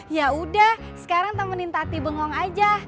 yaudah sekarang temenin tati bengong aja